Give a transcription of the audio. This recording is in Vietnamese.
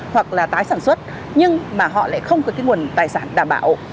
hoặc là tái sản xuất nhưng mà họ lại không có cái nguồn tài sản đảm bảo